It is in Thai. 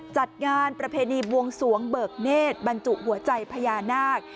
จัดงานประเพณีบวงสวงเบิกเนธบรรจุหัวใจพญานาค